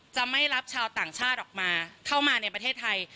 จะไม่รับชาวต่างชาติออกมาเข้ามาในประเทศไทย